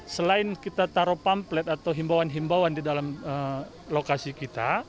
selain kita taruh pamplet atau himbauan himbauan di dalam lokasi kita